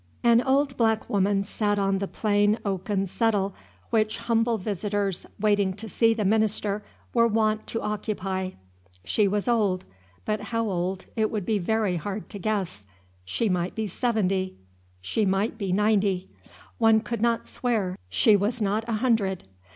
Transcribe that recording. An old black woman sat on the plain oaken settle which humble visitors waiting to see the minister were wont to occupy. She was old, but how old it would be very hard to guess. She might be seventy. She might be ninety. One could not swear she was not a hundred.